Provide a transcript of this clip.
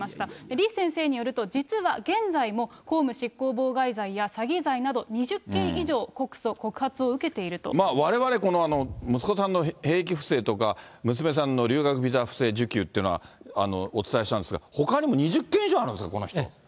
李先生によると、実は現在も、公務執行妨害罪や詐欺罪など２０件以上、われわれ、この息子さんの兵役不正とか、娘さんの留学ビザ不正受給っていうのはお伝えしたんですが、ほかにも２０件以上あるんですか、この人。